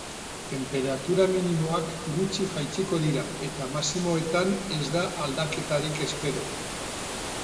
Tenperatura minimoak gutxi jaitsiko dira eta maximoetan ez da aldaketarik espero.